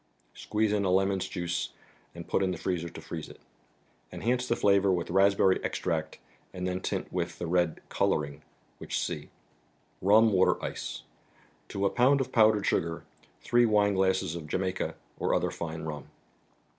Squeeze in a lemon's juice, and put in the freezer to freeze it. Enhance the flavor with Rasp¬ berry Extract, and then tint with the red " Coloring," which see. THE BOOK OF ICES. 46 JSum Plater 9Sce* To a pound of p° wdered ^ sugar, three wineglasses of Jamaica, or other fine rum.